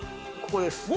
ここです。